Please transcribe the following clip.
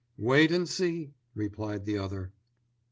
"Wait and see!" replied the other.